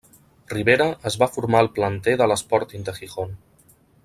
Rivera es va formar al planter de l'Sporting de Gijón.